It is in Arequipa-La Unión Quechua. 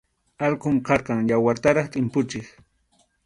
Alqum karqan, yawartaraq tʼimpuchiq.